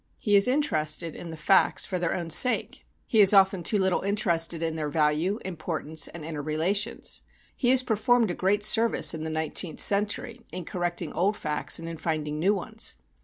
He is interested in the facts for their own sake: he is often too little interested in their value, importance and inter relations. He has performed a great service in the nineteenth century in correcting old facts and in finding new ones.